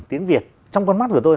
tiếng việt trong con mắt của tôi